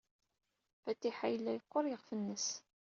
Fatiḥa yella yeqqur yiɣef-nnes.